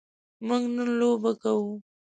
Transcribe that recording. موږ نن لوبه کوو.